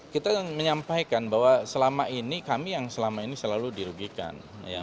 kita menyampaikan bahwa selama ini kami yang selama ini selalu dirugikan